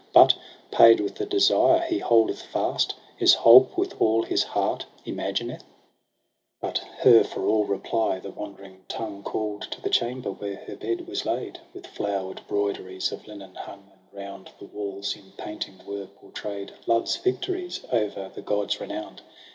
But, paid with the desire he holdeth fast. Is holp with all his heart imagineth ?' MAY 103 18 But her for all reply the wandering tongue Call'd to the chamber where her bed was laid, With flower'd broideries of linen hung : And round the walls in painting were portray'd Love's victories over the gods renown'd.